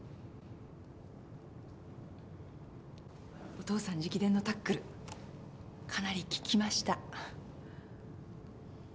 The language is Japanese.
お父さん直伝のタックルかなり効きました。